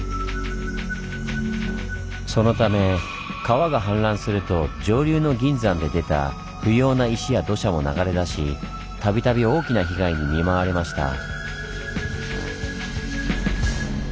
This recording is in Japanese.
そのため川が氾濫すると上流の銀山で出た不要な石や土砂も流れ出し度々大きな被害に見舞われました。